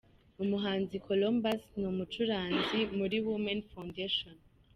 Umuhanzi Columbus ni umucuranzi muri Women Foundation.